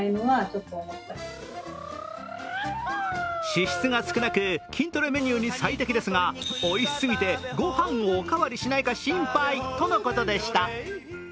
脂質が少なく筋トレメニューに最適ですがおいしすぎて、ごはんをおかわりしないか心配とのことでした。